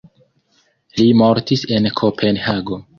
Li mortis en Kopenhago.